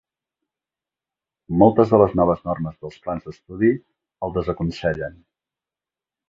Moltes de les noves normes dels plans d'estudi el desaconsellen.